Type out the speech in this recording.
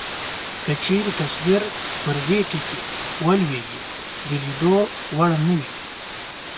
که چیرې تصویر پر دې ټکي ولویږي د لیدلو وړ نه وي.